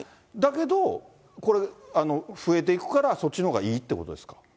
だけど、これ、増えていくからそっちのほうがいいってことですか。